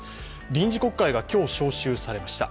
臨時国会が今日召集されました。